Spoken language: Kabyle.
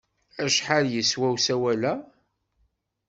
Acḥal yeswa usawal-a?